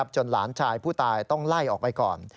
จนหลานชายผู้ตายต้องไล่ออกไปก่อน